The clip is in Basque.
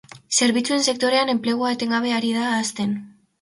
zerbitzuen sektorean emplegua etengabe hari da hazten